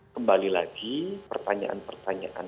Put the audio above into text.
kembali lagi pertanyaan pertanyaan